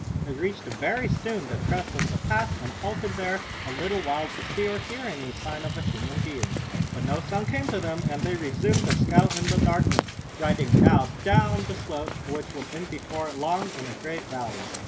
They reached very soon the crest of the pass and halted there a little while to see or hear any sign of a human being. But no sound came to them and they resumed the scout in the darkness, riding now down the slope which would end before long in a great valley.